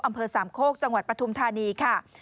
อำเภอสามโคกจังหวัดปฐุมธานีค่ะ